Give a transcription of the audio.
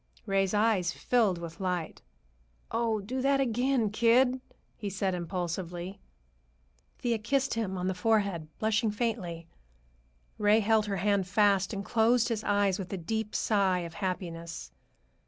Ray's eyes filled with light. "Oh, do that again, kid!" he said impulsively. Thea kissed him on the forehead, blushing faintly. Ray held her hand fast and closed his eyes with a deep sigh of happiness.